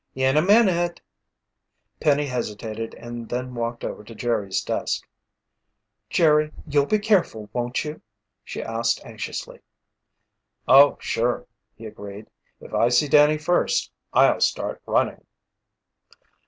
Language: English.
"In a minute." Penny hesitated and then walked over to Jerry's desk. "Jerry, you'll be careful, won't you?" she asked anxiously. "Oh, sure," he agreed. "If I see Danny first, I'll start running."